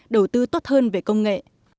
đầu tư tốt hơn về công nghệ